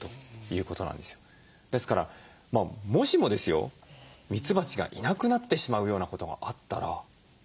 ですからもしもですよミツバチがいなくなってしまうようなことがあったら。